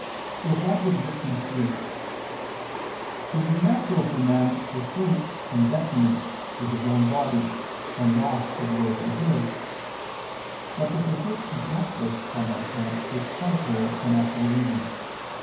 Reply Obj. 3: It is natural for man to shrink from detriment to his own body and loss of worldly goods, but to forsake justice on that account is contrary to natural reason.